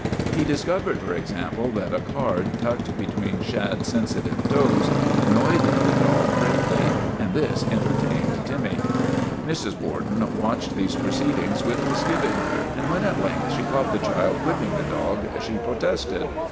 He discovered, for example, that a card tucked be tween Shad's sensitive toes annoyed the dog greatly, and this entertained Timmy. Mrs. Borden watched these proceedings with mis giving, and when at length she caught the child whipping the dog she protested.